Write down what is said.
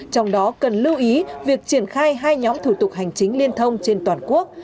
trong đó cần lưu ý việc triển khai hai nhóm thủ tục hành chính liên thông trên toàn quốc